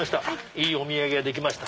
いいお土産ができました。